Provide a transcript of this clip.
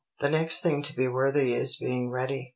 The next thing to being worthy is being ready.